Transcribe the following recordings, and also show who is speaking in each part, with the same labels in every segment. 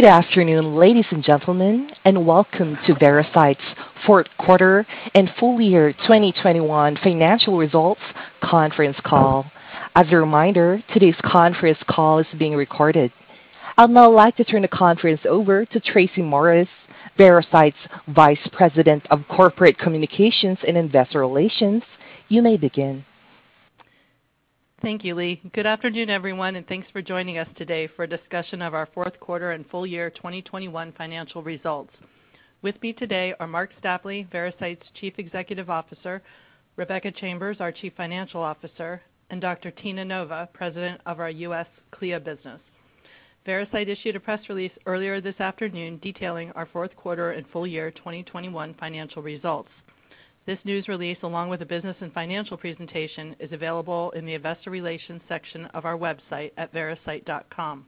Speaker 1: Good afternoon, ladies and gentlemen, and welcome to Veracyte's fourth quarter and full year 2021 financial results conference call. As a reminder, today's conference call is being recorded. I'd now like to turn the conference over to Tracy Morris, Veracyte's Vice President of Corporate Communications and Investor Relations. You may begin.
Speaker 2: Thank you, Lee. Good afternoon, everyone, and thanks for joining us today for a discussion of our fourth quarter and full year 2021 financial results. With me today are Marc Stapley, Veracyte's Chief Executive Officer, Rebecca Chambers, our Chief Financial Officer, and Dr. Tina Nova, President of our U.S. CLIA business. Veracyte issued a press release earlier this afternoon detailing our fourth quarter and full year 2021 financial results. This news release, along with the business and financial presentation, is available in the investor relations section of our website at veracyte.com.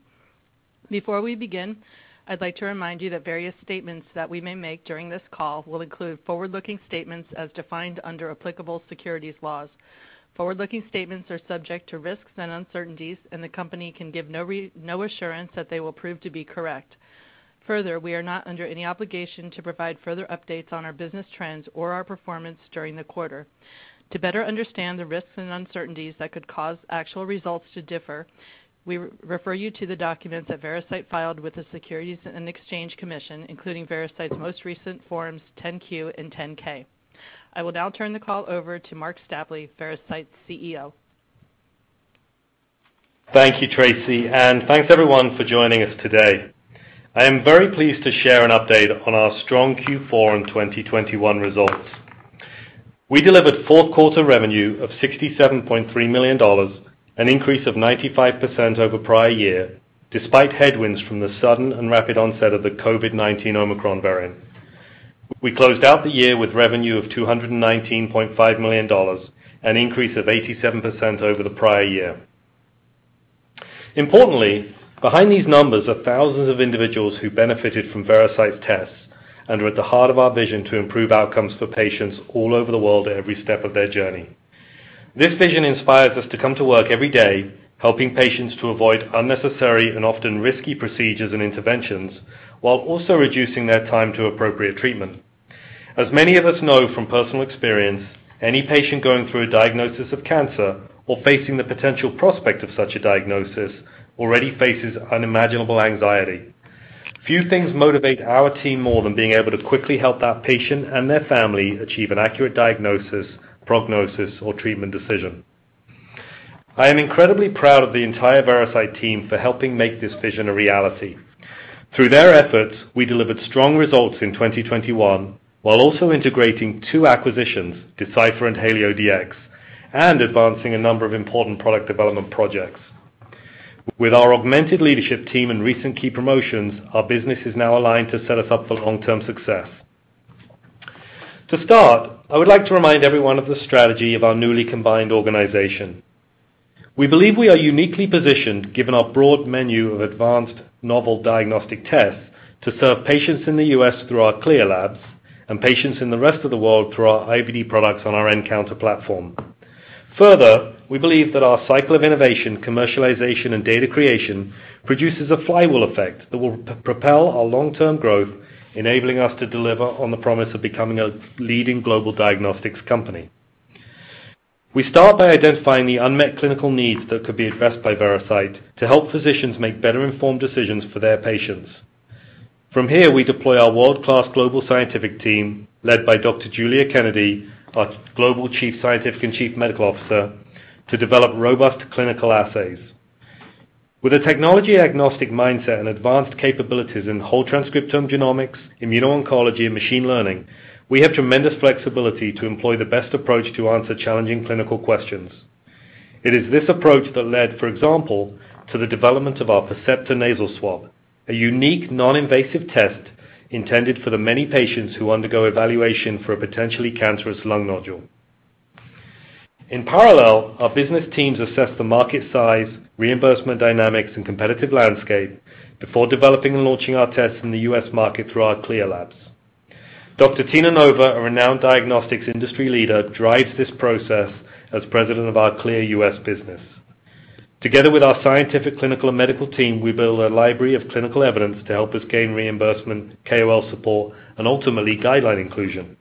Speaker 2: Before we begin, I'd like to remind you that various statements that we may make during this call will include forward-looking statements as defined under applicable securities laws. Forward-looking statements are subject to risks and uncertainties, and the company can give no assurance that they will prove to be correct. Further, we are not under any obligation to provide further updates on our business trends or our performance during the quarter. To better understand the risks and uncertainties that could cause actual results to differ, we refer you to the documents that Veracyte filed with the Securities and Exchange Commission, including Veracyte's most recent Forms 10-Q and 10-K. I will now turn the call over to Marc Stapley, Veracyte's CEO.
Speaker 3: Thank you, Tracy, and thanks everyone for joining us today. I am very pleased to share an update on our strong Q4 and 2021 results. We delivered fourth quarter revenue of $67.3 million, an increase of 95% over prior year, despite headwinds from the sudden and rapid onset of the COVID-19 Omicron variant. We closed out the year with revenue of $219.5 million, an increase of 87% over the prior year. Importantly, behind these numbers are thousands of individuals who benefited from Veracyte's tests and are at the heart of our vision to improve outcomes for patients all over the world at every step of their journey. This vision inspires us to come to work every day, helping patients to avoid unnecessary and often risky procedures and interventions, while also reducing their time to appropriate treatment. As many of us know from personal experience, any patient going through a diagnosis of cancer or facing the potential prospect of such a diagnosis already faces unimaginable anxiety. Few things motivate our team more than being able to quickly help that patient and their family achieve an accurate diagnosis, prognosis, or treatment decision. I am incredibly proud of the entire Veracyte team for helping make this vision a reality. Through their efforts, we delivered strong results in 2021, while also integrating two acquisitions, Decipher and HalioDx, and advancing a number of important product development projects. With our augmented leadership team and recent key promotions, our business is now aligned to set us up for long-term success. To start, I would like to remind everyone of the strategy of our newly combined organization. We believe we are uniquely positioned, given our broad menu of advanced novel diagnostic tests, to serve patients in the U.S. through our CLIA labs and patients in the rest of the world through our IVD products on our nCounter platform. Further, we believe that our cycle of innovation, commercialization, and data creation produces a flywheel effect that will propel our long-term growth, enabling us to deliver on the promise of becoming a leading global diagnostics company. We start by identifying the unmet clinical needs that could be addressed by Veracyte to help physicians make better informed decisions for their patients. From here, we deploy our world-class global scientific team, led by Dr. Giulia Kennedy, our Global Chief Scientific and Chief Medical Officer, to develop robust clinical assays. With a technology-agnostic mindset and advanced capabilities in whole transcriptome genomics, immuno-oncology, and machine learning, we have tremendous flexibility to employ the best approach to answer challenging clinical questions. It is this approach that led, for example, to the development of our Percepta nasal swab, a unique non-invasive test intended for the many patients who undergo evaluation for a potentially cancerous lung nodule. In parallel, our business teams assess the market size, reimbursement dynamics, and competitive landscape before developing and launching our tests in the US market through our CLIA labs. Dr. Tina Nova, a renowned diagnostics industry leader, drives this process as president of our CLIA US business. Together with our scientific, clinical and medical team, we build a library of clinical evidence to help us gain reimbursement, KOL support, and ultimately guideline inclusion.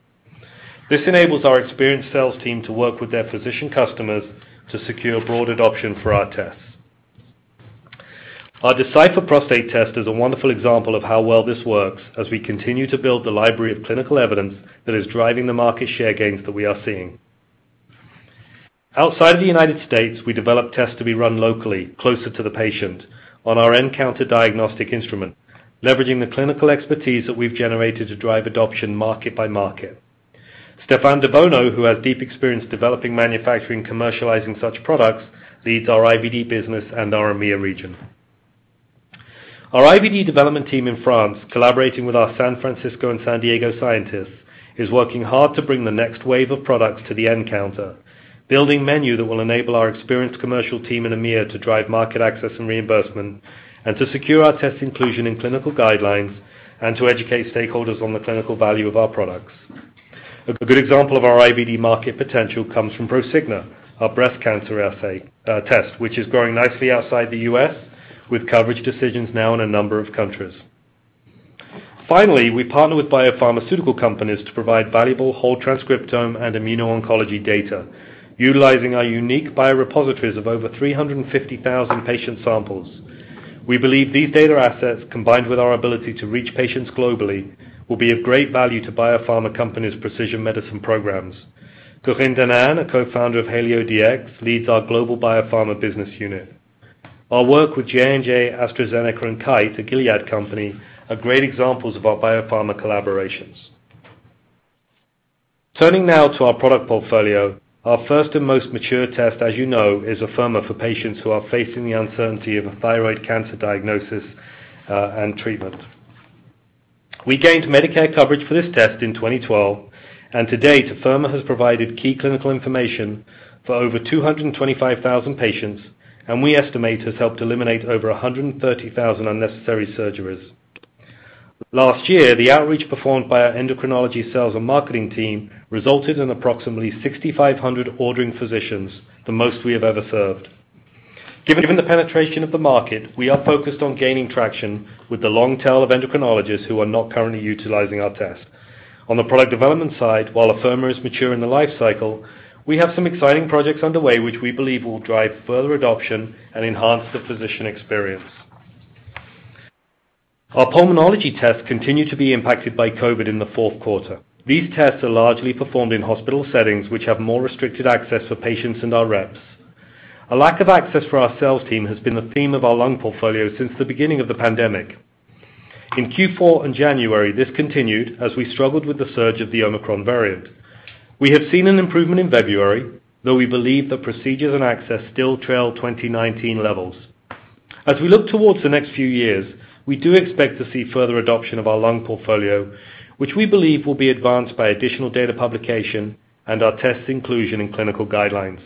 Speaker 3: This enables our experienced sales team to work with their physician customers to secure broad adoption for our tests. Our Decipher Prostate test is a wonderful example of how well this works as we continue to build the library of clinical evidence that is driving the market share gains that we are seeing. Outside the United States, we develop tests to be run locally, closer to the patient, on our nCounter diagnostic instrument, leveraging the clinical expertise that we've generated to drive adoption market by market. Stéphane Debono, who has deep experience developing, manufacturing, commercializing such products, leads our IVD business and our EMEA region. Our IVD development team in France, collaborating with our San Francisco and San Diego scientists, is working hard to bring the next wave of products to the nCounter, building menu that will enable our experienced commercial team in EMEA to drive market access and reimbursement and to secure our test inclusion in clinical guidelines and to educate stakeholders on the clinical value of our products. A good example of our IVD market potential comes from Prosigna, our breast cancer assay, test, which is growing nicely outside the U.S. with coverage decisions now in a number of countries. Finally, we partner with biopharmaceutical companies to provide valuable whole transcriptome and immuno-oncology data, utilizing our unique biorepositories of over 350,000 patient samples. We believe these data assets, combined with our ability to reach patients globally, will be of great value to biopharma companies' precision medicine programs. Corinne Danan, a co-founder of HalioDx, leads our global biopharma business unit. Our work with J&J, AstraZeneca, and Kite, a Gilead company, are great examples of our biopharma collaborations. Turning now to our product portfolio, our first and most mature test, as you know, is Afirma for patients who are facing the uncertainty of a thyroid cancer diagnosis, and treatment. We gained Medicare coverage for this test in 2012, and to date, Afirma has provided key clinical information for over 225,000 patients, and we estimate has helped eliminate over 130,000 unnecessary surgeries. Last year, the outreach performed by our endocrinology sales and marketing team resulted in approximately 6,500 ordering physicians, the most we have ever served. Given the penetration of the market, we are focused on gaining traction with the long tail of endocrinologists who are not currently utilizing our test. On the product development side, while Afirma is mature in the life cycle, we have some exciting projects underway which we believe will drive further adoption and enhance the physician experience. Our pulmonology tests continue to be impacted by COVID in the fourth quarter. These tests are largely performed in hospital settings, which have more restricted access for patients and our reps. A lack of access for our sales team has been the theme of our lung portfolio since the beginning of the pandemic. In Q4 and January, this continued as we struggled with the surge of the Omicron variant. We have seen an improvement in February, though we believe that procedures and access still trailed 2019 levels. As we look towards the next few years, we do expect to see further adoption of our lung portfolio, which we believe will be advanced by additional data publication and our tests inclusion in clinical guidelines.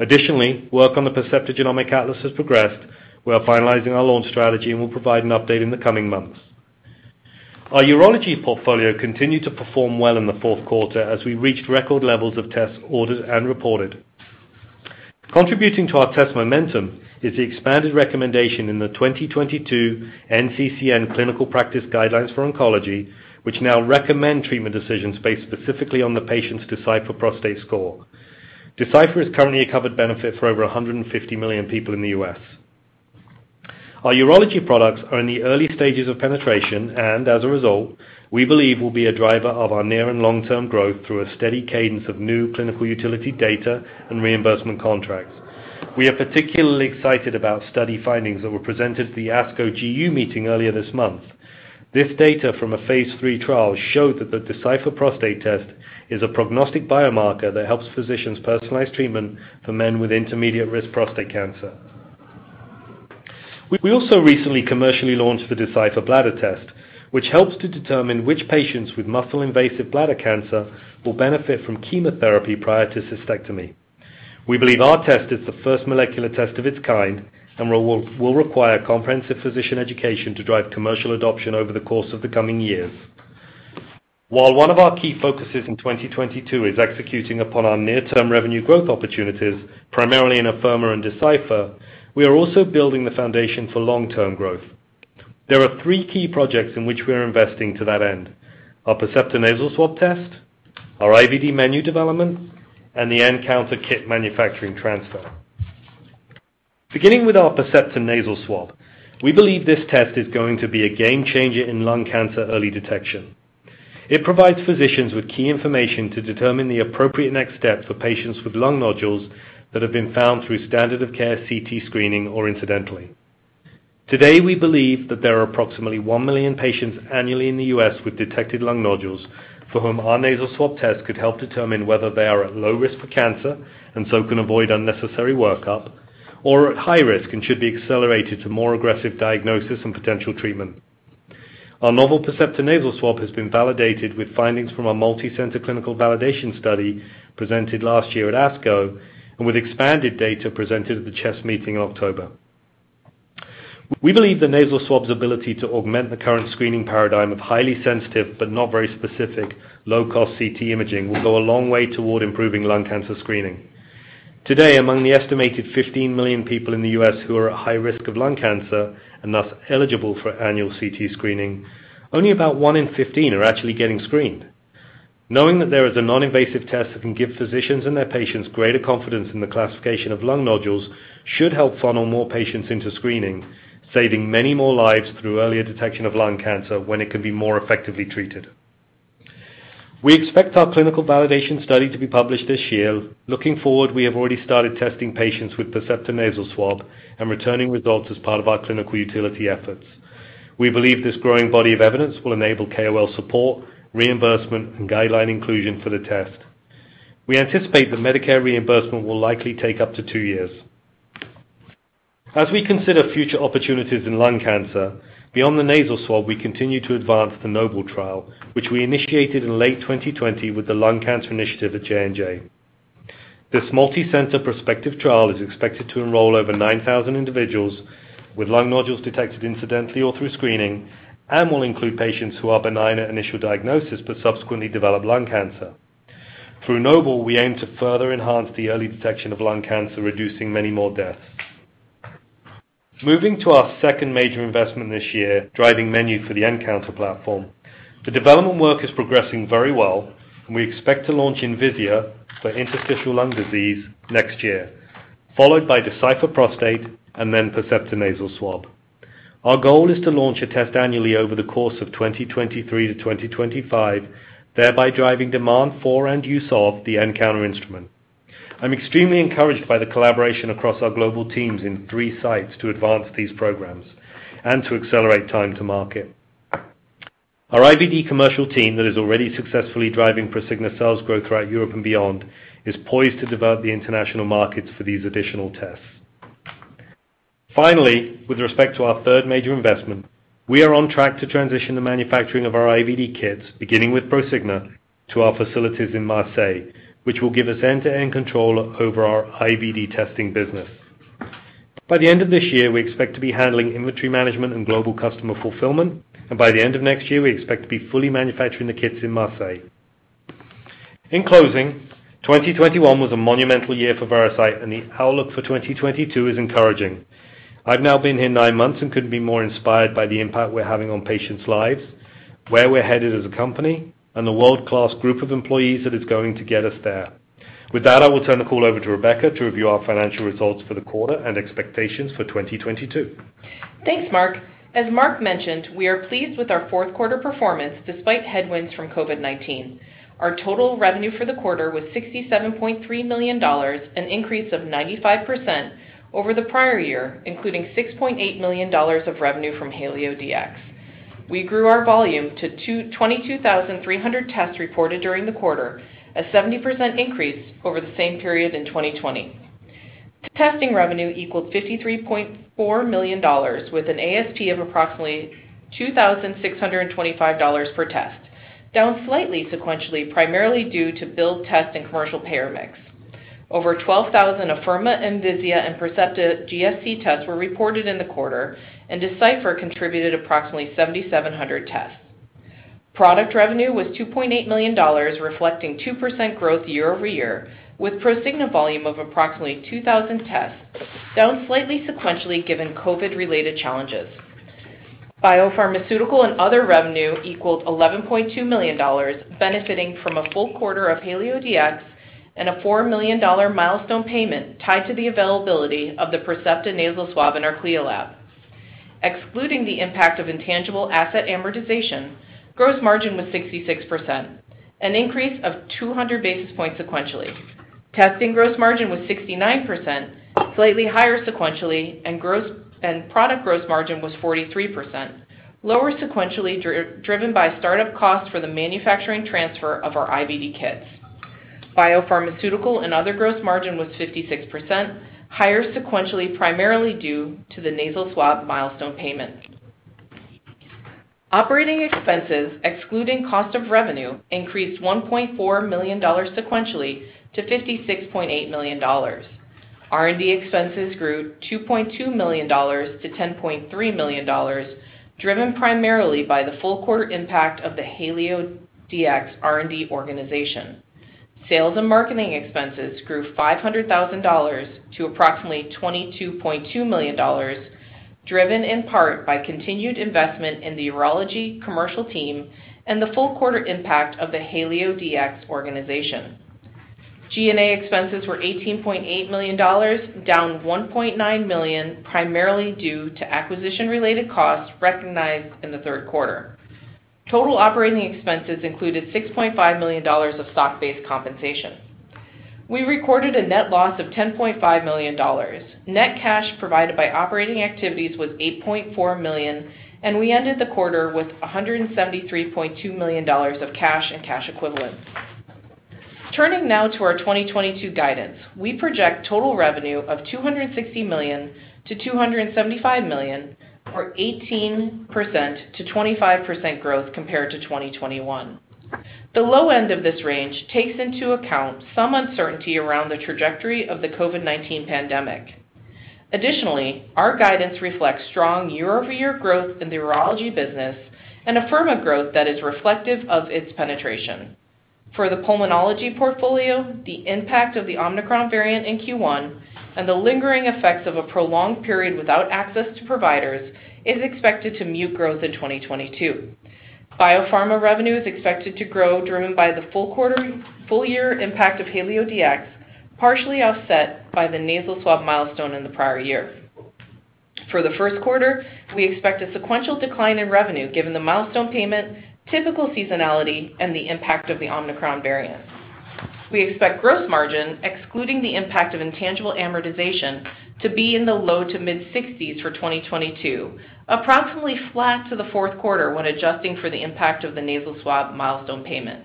Speaker 3: Additionally, work on the Percepta Genomic Atlas has progressed. We are finalizing our launch strategy and will provide an update in the coming months. Our urology portfolio continued to perform well in the fourth quarter as we reached record levels of tests ordered and reported. Contributing to our test momentum is the expanded recommendation in the 2022 NCCN Clinical Practice Guidelines for Oncology, which now recommend treatment decisions based specifically on the patient's Decipher Prostate Score. Decipher is currently a covered benefit for over 150 million people in the U.S. Our urology products are in the early stages of penetration, and as a result, we believe will be a driver of our near and long-term growth through a steady cadence of new clinical utility data and reimbursement contracts. We are particularly excited about study findings that were presented to the ASCO GU meeting earlier this month. This data from a phase III trial showed that the Decipher Prostate test is a prognostic biomarker that helps physicians personalize treatment for men with intermediate risk prostate cancer. We also recently commercially launched the Decipher Bladder test, which helps to determine which patients with muscle-invasive bladder cancer will benefit from chemotherapy prior to cystectomy. We believe our test is the first molecular test of its kind and will require comprehensive physician education to drive commercial adoption over the course of the coming years. While one of our key focuses in 2022 is executing upon our near-term revenue growth opportunities, primarily in Afirma and Decipher, we are also building the foundation for long-term growth. There are three key projects in which we are investing to that end: our Percepta nasal swab test, our IVD menu development, and the nCounter kit manufacturing transfer. Beginning with our Percepta nasal swab, we believe this test is going to be a game changer in lung cancer early detection. It provides physicians with key information to determine the appropriate next steps for patients with lung nodules that have been found through standard of care CT screening or incidentally. Today, we believe that there are approximately 1 million patients annually in the U.S. with detected lung nodules for whom our nasal swab test could help determine whether they are at low risk for cancer, and so can avoid unnecessary workup, or at high risk and should be accelerated to more aggressive diagnosis and potential treatment. Our novel Percepta nasal swab has been validated with findings from our multi-center clinical validation study presented last year at ASCO and with expanded data presented at the CHEST meeting in October. We believe the nasal swab's ability to augment the current screening paradigm of highly sensitive but not very specific low-cost CT imaging will go a long way toward improving lung cancer screening. Today, among the estimated 15 million people in the U.S. who are at high risk of lung cancer, and thus eligible for annual CT screening, only about one in 15 are actually getting screened. Knowing that there is a non-invasive test that can give physicians and their patients greater confidence in the classification of lung nodules should help funnel more patients into screening, saving many more lives through earlier detection of lung cancer when it could be more effectively treated. We expect our clinical validation study to be published this year. Looking forward, we have already started testing patients with Percepta nasal swab and returning results as part of our clinical utility efforts. We believe this growing body of evidence will enable KOL support, reimbursement, and guideline inclusion for the test. We anticipate that Medicare reimbursement will likely take up to two years. As we consider future opportunities in lung cancer, beyond the nasal swab, we continue to advance the NOBLE trial, which we initiated in late 2020 with the Lung Cancer Initiative at J&J. This multi-center prospective trial is expected to enroll over 9,000 individuals with lung nodules detected incidentally or through screening and will include patients who are benign at initial diagnosis but subsequently develop lung cancer. Through NOBLE, we aim to further enhance the early detection of lung cancer, reducing many more deaths. Moving to our second major investment this year, driving menu for the nCounter platform. The development work is progressing very well, and we expect to launch Envisia for interstitial lung disease next year, followed by Decipher Prostate and then Percepta nasal swab. Our goal is to launch a test annually over the course of 2023-2025, thereby driving demand for and use of the nCounter instrument. I'm extremely encouraged by the collaboration across our global teams in three sites to advance these programs and to accelerate time to market. Our IVD commercial team that is already successfully driving Prosigna sales growth throughout Europe and beyond is poised to develop the international markets for these additional tests. Finally, with respect to our third major investment, we are on track to transition the manufacturing of our IVD kits, beginning with Prosigna, to our facilities in Marseille, which will give us end-to-end control over our IVD testing business. By the end of this year, we expect to be handling inventory management and global customer fulfillment, and by the end of next year, we expect to be fully manufacturing the kits in Marseille. In closing, 2021 was a monumental year for Veracyte, and the outlook for 2022 is encouraging. I've now been here nine months and couldn't be more inspired by the impact we're having on patients' lives, where we're headed as a company, and the world-class group of employees that is going to get us there. With that, I will turn the call over to Rebecca to review our financial results for the quarter and expectations for 2022.
Speaker 4: Thanks, Mark. As Mark mentioned, we are pleased with our fourth quarter performance despite headwinds from COVID-19. Our total revenue for the quarter was $67.3 million, an increase of 95% over the prior year, including $6.8 million of revenue from HalioDx. We grew our volume to 22,300 tests reported during the quarter, a 70% increase over the same period in 2020. Testing revenue equaled $53.4 million with an ASP of approximately $2,625 per test, down slightly sequentially, primarily due to billed tests and commercial payer mix. Over 12,000 Afirma, Envisia, and Percepta GSC tests were reported in the quarter, and Decipher contributed approximately 7,700 tests. Product revenue was $2.8 million, reflecting 2% growth year-over-year, with Prosigna volume of approximately 2,000 tests, down slightly sequentially, given COVID-related challenges. Biopharmaceutical and other revenue equaled $11.2 million, benefiting from a full quarter of HalioDx and a $4 million milestone payment tied to the availability of the Percepta nasal swab in our CLIA lab. Excluding the impact of intangible asset amortization, gross margin was 66%, an increase of 200 basis points sequentially. Testing gross margin was 69%, slightly higher sequentially, and product gross margin was 43%, lower sequentially, driven by start-up costs for the manufacturing transfer of our IVD kits. Biopharmaceutical and other gross margin was 56%, higher sequentially, primarily due to the nasal swab milestone payment. Operating expenses excluding cost of revenue increased $1.4 million sequentially to $56.8 million. R&D expenses grew $2.2 million-$10.3 million, driven primarily by the full quarter impact of the HalioDx R&D organization. Sales and marketing expenses grew $500,000 to approximately $22.2 million, driven in part by continued investment in the urology commercial team and the full quarter impact of the HalioDx organization. G&A expenses were $18.8 million, down $1.9 million, primarily due to acquisition-related costs recognized in the third quarter. Total operating expenses included $6.5 million of stock-based compensation. We recorded a net loss of $10.5 million. Net cash provided by operating activities was $8.4 million, and we ended the quarter with $173.2 million of cash and cash equivalents. Turning now to our 2022 guidance. We project total revenue of $260 million-$275 million, or 18%-25% growth compared to 2021. The low end of this range takes into account some uncertainty around the trajectory of the COVID-19 pandemic. Additionally, our guidance reflects strong year-over-year growth in the urology business and Afirma growth that is reflective of its penetration. For the pulmonology portfolio, the impact of the Omicron variant in Q1 and the lingering effects of a prolonged period without access to providers is expected to mute growth in 2022. Biopharma revenue is expected to grow, driven by the full year impact of HalioDx, partially offset by the nasal swab milestone in the prior year. For the first quarter, we expect a sequential decline in revenue, given the milestone payment, typical seasonality, and the impact of the Omicron variant. We expect gross margin, excluding the impact of intangible amortization, to be in the low- to mid-60s% for 2022, approximately flat to the fourth quarter when adjusting for the impact of the nasal swab milestone payment.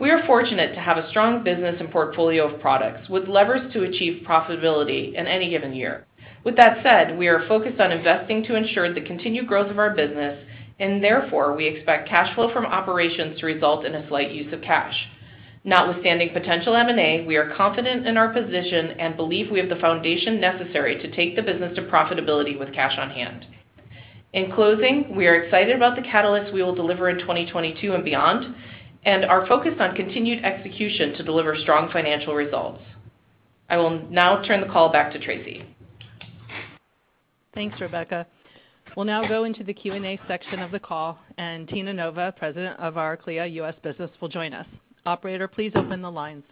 Speaker 4: We are fortunate to have a strong business and portfolio of products with levers to achieve profitability in any given year. With that said, we are focused on investing to ensure the continued growth of our business, and therefore, we expect cash flow from operations to result in a slight use of cash. Notwithstanding potential M&A, we are confident in our position and believe we have the foundation necessary to take the business to profitability with cash on hand. In closing, we are excited about the catalysts we will deliver in 2022 and beyond, and are focused on continued execution to deliver strong financial results. I will now turn the call back to Tracy.
Speaker 2: Thanks, Rebecca. We'll now go into the Q&A section of the call, and Tina Nova, President of our CLIA US business, will join us. Operator, please open the lines.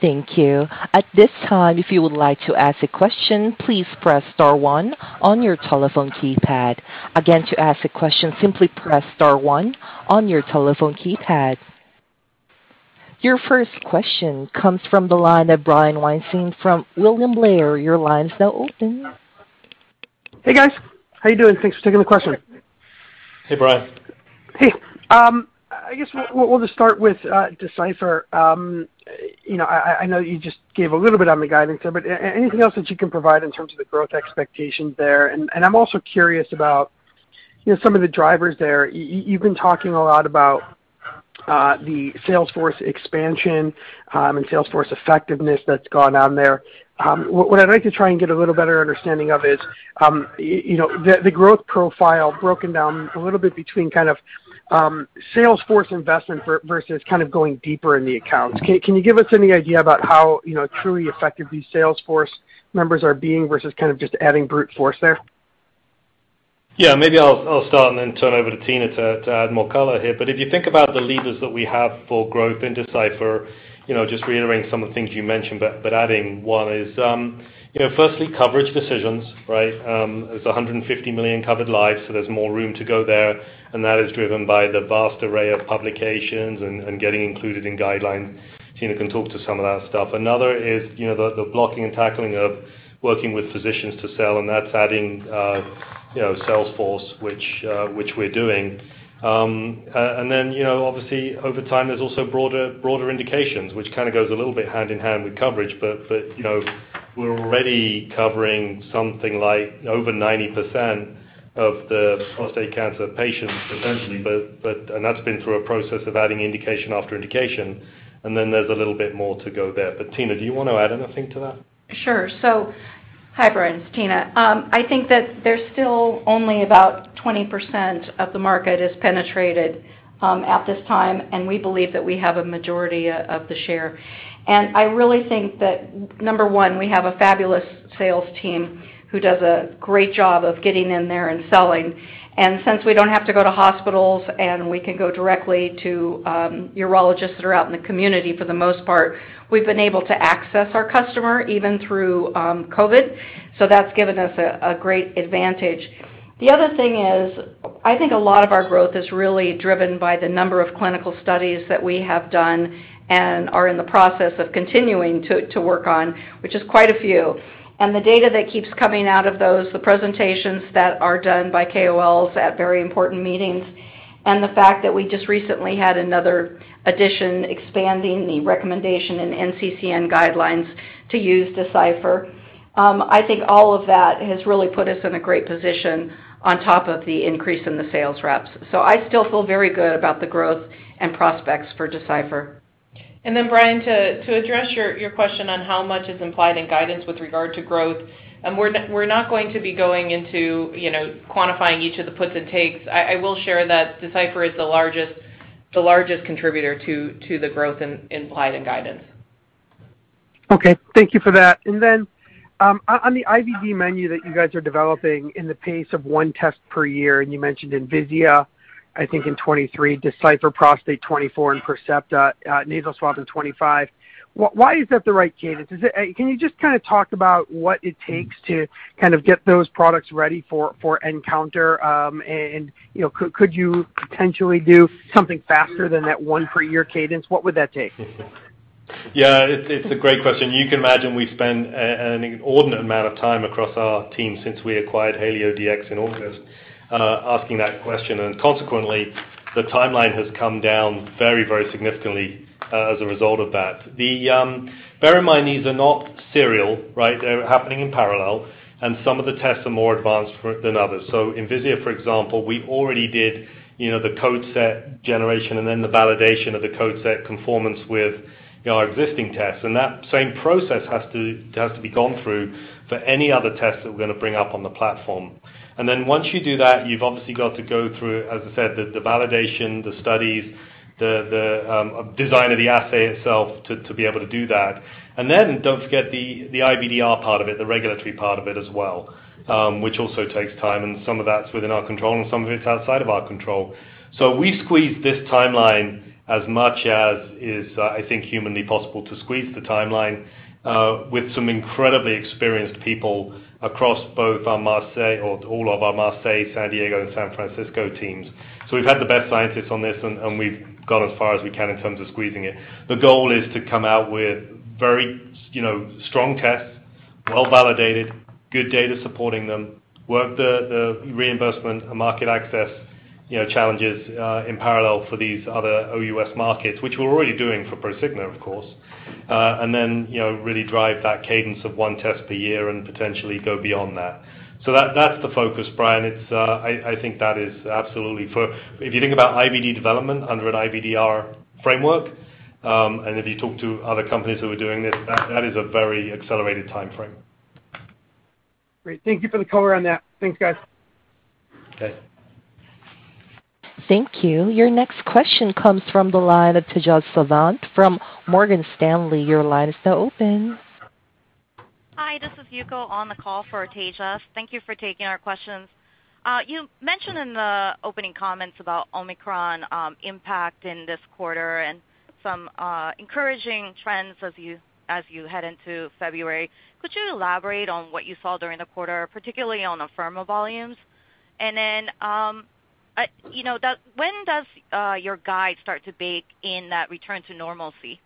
Speaker 1: Thank you. At this time, if you would like to ask a question, please press star one on your telephone keypad. Again, to ask a question, simply press star one on your telephone keypad. Your first question comes from the line of Brian Weinstein from William Blair. Your line is now open.
Speaker 5: Hey, guys. How are you doing? Thanks for taking the question.
Speaker 3: Hey, Brian.
Speaker 5: Hey. I guess we'll just start with Decipher. You know, I know you just gave a little bit on the guidance there, but anything else that you can provide in terms of the growth expectations there? I'm also curious about, you know, some of the drivers there. You've been talking a lot about the sales force expansion and sales force effectiveness that's gone on there. What I'd like to try and get a little better understanding of is, you know, the growth profile broken down a little bit between kind of sales force investment versus kind of going deeper in the accounts. Can you give us any idea about how, you know, truly effective these sales force members are being versus kind of just adding brute force there?
Speaker 3: Yeah. Maybe I'll start and then turn over to Tina to add more color here. If you think about the levers that we have for growth in Decipher, you know, just reiterating some of the things you mentioned, but adding one is, you know, firstly, coverage decisions, right? There's 150 million covered lives, so there's more room to go there, and that is driven by the vast array of publications and getting included in guidelines. Tina can talk to some of that stuff. Another is, you know, the blocking and tackling of working with physicians to sell, and that's adding, you know, sales force, which we're doing. And then, you know, obviously over time, there's also broader indications, which kind of goes a little bit hand in hand with coverage. you know, we're already covering something like over 90% of the prostate cancer patients potentially, but and that's been through a process of adding indication after indication, and then there's a little bit more to go there. Tina, do you wanna add anything to that?
Speaker 6: Sure. Hi, Brian. It's Tina. I think that there's still only about 20% of the market is penetrated, at this time, and we believe that we have a majority of the share. I really think that number one, we have a fabulous sales team who does a great job of getting in there and selling. Since we don't have to go to hospitals and we can go directly to urologists that are out in the community for the most part, we've been able to access our customer even through COVID. That's given us a great advantage. The other thing is, I think a lot of our growth is really driven by the number of clinical studies that we have done and are in the process of continuing to work on, which is quite a few. The data that keeps coming out of those, the presentations that are done by KOLs at very important meetings, and the fact that we just recently had another addition expanding the recommendation in NCCN guidelines to use Decipher, I think all of that has really put us in a great position on top of the increase in the sales reps. I still feel very good about the growth and prospects for Decipher. Brian, to address your question on how much is implied in guidance with regard to growth, we're not going to be going into, you know, quantifying each of the puts and takes. I will share that Decipher is the largest contributor to the growth implied in guidance.
Speaker 5: Okay. Thank you for that. On the IVD menu that you guys are developing in the pace of one test per year, and you mentioned Envisia, I think in 2023, Decipher Prostate 2024, and Percepta nasal swab in 2025. Why is that the right cadence? Can you just kinda talk about what it takes to kind of get those products ready for nCounter? You know, could you potentially do something faster than that one per year cadence? What would that take?
Speaker 3: Yeah. It's a great question. You can imagine we spend an inordinate amount of time across our team since we acquired HalioDx in August, asking that question. Consequently, the timeline has come down very, very significantly as a result of that. Bear in mind, these are not serial, right? They're happening in parallel, and some of the tests are more advanced than others. Envisia, for example, we already did, you know, the code set generation and then the validation of the code set conformance with, you know, our existing tests. That same process has to be gone through for any other tests that we're gonna bring up on the platform. Once you do that, you've obviously got to go through, as I said, the design of the assay itself to be able to do that. Then don't forget the IVDR part of it, the regulatory part of it as well, which also takes time, and some of that's within our control and some of it's outside of our control. We squeezed this timeline as much as is, I think, humanly possible to squeeze the timeline, with some incredibly experienced people across all of our Marseille, San Diego and San Francisco teams. We've had the best scientists on this, and we've gone as far as we can in terms of squeezing it. The goal is to come out with very, you know, strong tests, well-validated, good data supporting them, work the reimbursement and market access, you know, challenges in parallel for these other OUS markets, which we're already doing for Prosigna, of course. Then, you know, really drive that cadence of one test per year and potentially go beyond that. That's the focus, Brian. I think that is absolutely. If you think about IVD development under an IVDR framework, and if you talk to other companies who are doing this, that is a very accelerated timeframe.
Speaker 5: Great. Thank you for the color on that. Thanks, guys.
Speaker 3: Okay.
Speaker 1: Thank you. Your next question comes from the line of Tejas Savant from Morgan Stanley. Your line is now open.
Speaker 7: Hi, this is Yuko on the call for Tejas. Thank you for taking our questions. You mentioned in the opening comments about Omicron impact in this quarter and some encouraging trends as you head into February. Could you elaborate on what you saw during the quarter, particularly on Afirma volumes? You know, when does your guide start to bake in that return to normalcy?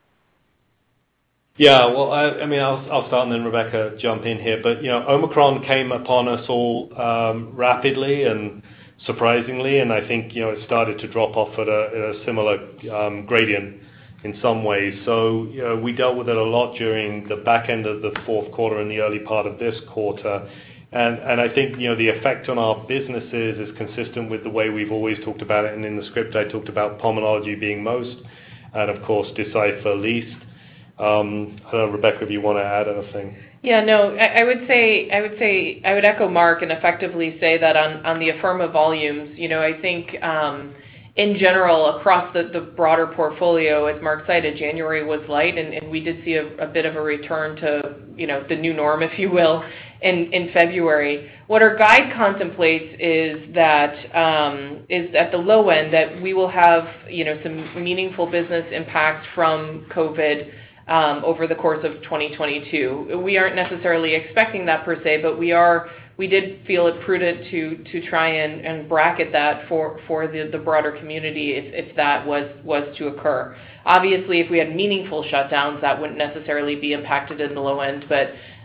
Speaker 3: Yeah. Well, I mean, I'll start, and then Rebecca, jump in here. You know, Omicron came upon us all rapidly and surprisingly, and I think, you know, it started to drop off at a similar gradient in some ways. You know, we dealt with it a lot during the back end of the fourth quarter and the early part of this quarter. I think, you know, the effect on our businesses is consistent with the way we've always talked about it. In the script, I talked about pulmonology being most and of course Decipher least. I don't know, Rebecca, if you wanna add anything.
Speaker 4: Yeah, no. I would echo Mark and effectively say that on the Afirma volumes, you know, I think in general across the broader portfolio, as Mark cited, January was light, and we did see a bit of a return to, you know, the new norm, if you will in February. What our guide contemplates is that at the low end, that we will have, you know, some meaningful business impact from COVID over the course of 2022. We aren't necessarily expecting that per se, but we did feel it prudent to try and bracket that for the broader community if that was to occur. Obviously, if we had meaningful shutdowns, that wouldn't necessarily be impacted in the low end.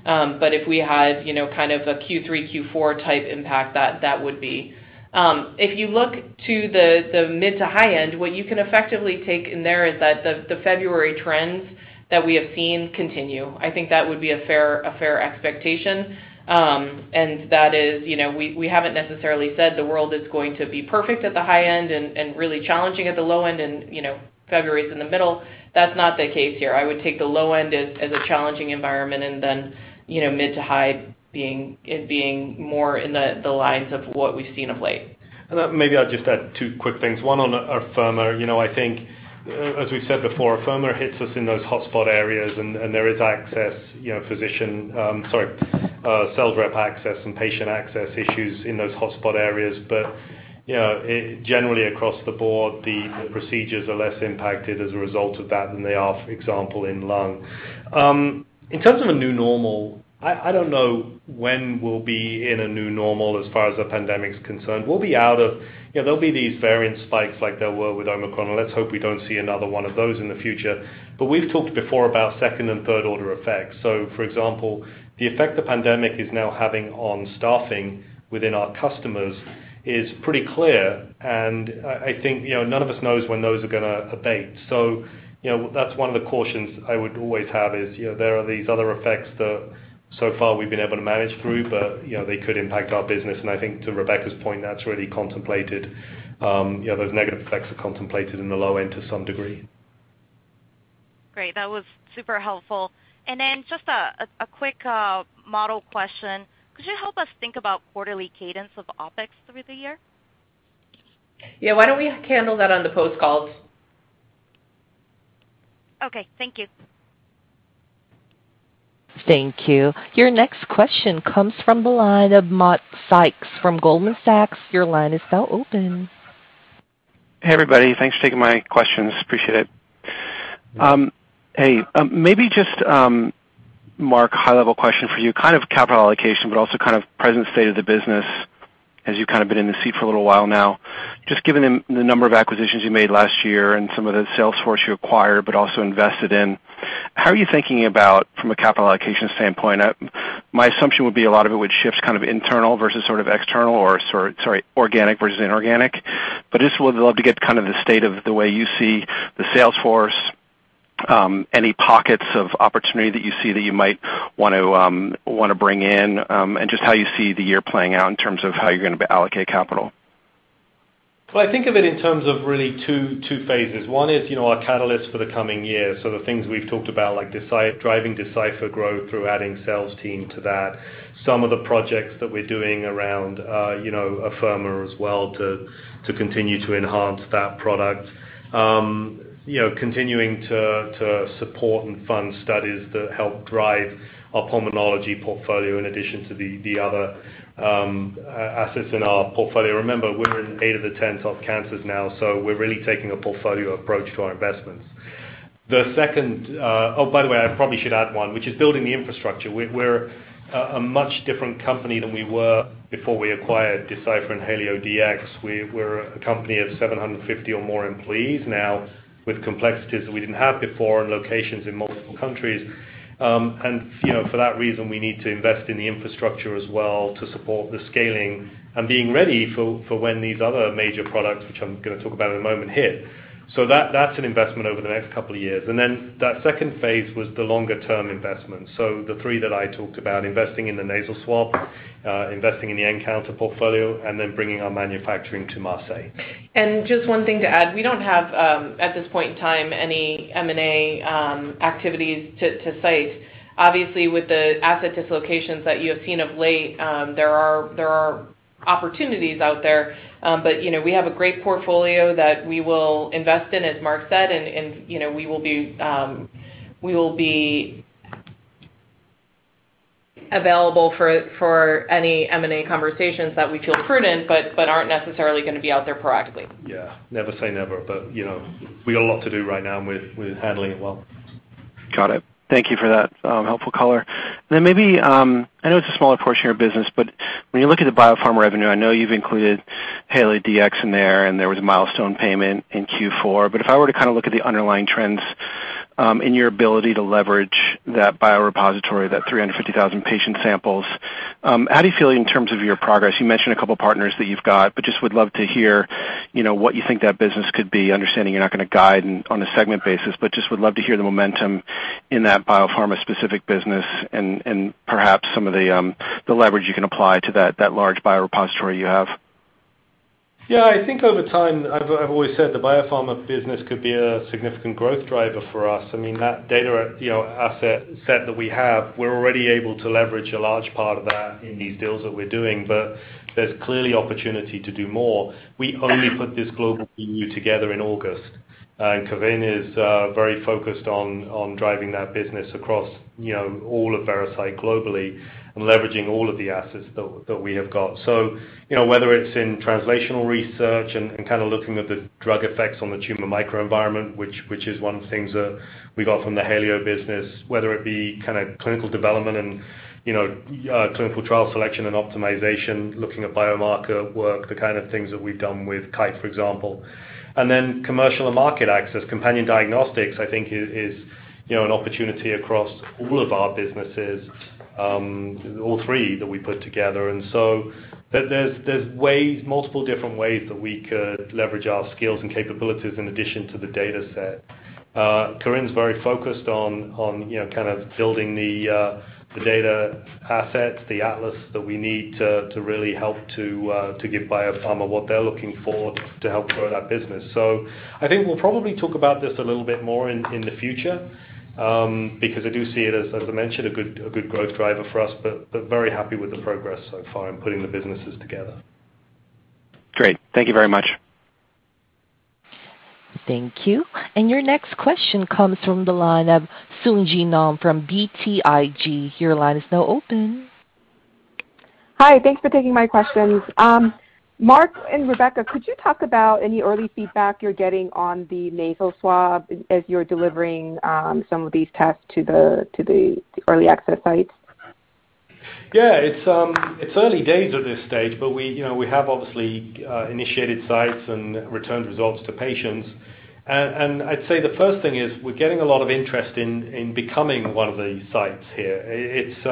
Speaker 4: If we had, you know, kind of a Q3, Q4 type impact, that would be. If you look to the mid to high end, what you can effectively take in there is that the February trends that we have seen continue. I think that would be a fair expectation. That is, you know, we haven't necessarily said the world is going to be perfect at the high end and really challenging at the low end and, you know, February's in the middle. That's not the case here. I would take the low end as a challenging environment and then, you know, mid to high being more in the lines of what we've seen of late.
Speaker 3: Maybe I'll just add two quick things, one on Afirma. You know, I think as we've said before, Afirma hits us in those hotspot areas, and there is access, you know, physician sales rep access and patient access issues in those hotspot areas. You know, generally across the board, the procedures are less impacted as a result of that than they are, for example, in lung. In terms of a new normal, I don't know when we'll be in a new normal as far as the pandemic's concerned. You know, there'll be these variant spikes like there were with Omicron, and let's hope we don't see another one of those in the future. We've talked before about second and third order effects. For example, the effect the pandemic is now having on staffing within our customers is pretty clear, and I think, you know, none of us knows when those are gonna abate. You know, that's one of the cautions I would always have is, you know, there are these other effects that so far we've been able to manage through, but, you know, they could impact our business. I think to Rebecca's point, that's really contemplated, you know, those negative effects are contemplated in the low end to some degree.
Speaker 7: Great. That was super helpful. Just a quick model question. Could you help us think about quarterly cadence of OpEx through the year?
Speaker 4: Yeah. Why don't we handle that on the post call?
Speaker 7: Okay. Thank you.
Speaker 1: Thank you. Your next question comes from the line of Matt Sykes from Goldman Sachs. Your line is now open.
Speaker 8: Hey, everybody. Thanks for taking my questions. Appreciate it. Hey, Marc, high-level question for you, kind of capital allocation, but also kind of present state of the business as you've kind of been in the seat for a little while now. Just given the number of acquisitions you made last year and some of the sales force you acquired but also invested in, how are you thinking about from a capital allocation standpoint? My assumption would be a lot of it would shift kind of internal versus sort of external, organic versus inorganic. Just would love to get kind of the state of the way you see the sales force, any pockets of opportunity that you see that you might want to bring in, and just how you see the year playing out in terms of how you're gonna allocate capital.
Speaker 3: Well, I think of it in terms of really two phases. One is, you know, our catalyst for the coming year, so the things we've talked about, like driving Decipher growth through adding sales team to that. Some of the projects that we're doing around, you know, Afirma as well to continue to enhance that product. You know, continuing to support and fund studies that help drive our pulmonology portfolio in addition to the other assets in our portfolio. Remember, we're in eight of the ten top cancers now, so we're really taking a portfolio approach to our investments. The second. Oh, by the way, I probably should add one, which is building the infrastructure. We're a much different company than we were before we acquired Decipher and HalioDx. We're a company of 750 or more employees now with complexities that we didn't have before and locations in multiple countries. You know, for that reason, we need to invest in the infrastructure as well to support the scaling and being ready for when these other major products, which I'm gonna talk about in a moment, hit. That's an investment over the next couple of years. Then that second phase was the longer term investment. The three that I talked about, investing in the nasal swab, investing in the nCounter portfolio, and then bringing our manufacturing to Marseille.
Speaker 4: Just one thing to add, we don't have at this point in time any M&A activities to cite. Obviously, with the asset dislocations that you have seen of late, there are opportunities out there. But, you know, we have a great portfolio that we will invest in, as Mark said, and, you know, we will be available for any M&A conversations that we feel prudent but aren't necessarily gonna be out there proactively.
Speaker 3: Yeah. Never say never, but, you know, we got a lot to do right now with handling it well.
Speaker 8: Got it. Thank you for that, helpful color. Maybe, I know it's a smaller portion of your business, but when you look at the biopharma revenue, I know you've included HalioDx in there, and there was a milestone payment in Q4. If I were to kinda look at the underlying trends, in your ability to leverage that biorepository, that 350,000 patient samples, how do you feel in terms of your progress? You mentioned a couple partners that you've got, but just would love to hear, you know, what you think that business could be, understanding you're not gonna guide on a segment basis, but just would love to hear the momentum in that biopharma-specific business and perhaps some of the leverage you can apply to that large biorepository you have.
Speaker 3: Yeah, I think over time, I've always said the biopharma business could be a significant growth driver for us. I mean, that data, you know, asset set that we have, we're already able to leverage a large part of that in these deals that we're doing, but there's clearly opportunity to do more. We only put this global BU together in August, and Corinne is very focused on driving that business across, you know, all of Veracyte globally and leveraging all of the assets that we have got. You know, whether it's in translational research and kinda looking at the drug effects on the tumor microenvironment, which is one of the things that we got from the HalioDx business, whether it be kinda clinical development and clinical trial selection and optimization, looking at biomarker work, the kind of things that we've done with Kite, for example. Commercial and market access, companion diagnostics, I think is an opportunity across all of our businesses, all three that we put together. There's ways, multiple different ways that we could leverage our skills and capabilities in addition to the data set. Corinne's very focused on, you know, kind of building the data asset, the atlas that we need to really help to give biopharma what they're looking for to help grow that business. I think we'll probably talk about this a little bit more in the future, because I do see it, as I mentioned, a good growth driver for us, but very happy with the progress so far in putting the businesses together.
Speaker 8: Great. Thank you very much.
Speaker 1: Thank you. Your next question comes from the line of Sungji Nam from BTIG. Your line is now open.
Speaker 9: Hi. Thanks for taking my questions. Marc and Rebecca, could you talk about any early feedback you're getting on the nasal swab as you're delivering some of these tests to the early access sites?
Speaker 3: Yeah. It's early days at this stage, but we, you know, we have obviously initiated sites and returned results to patients. I'd say the first thing is we're getting a lot of interest in becoming one of the sites here. It's